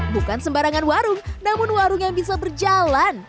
bukan sembarangan warung namun warung yang bisa berjalan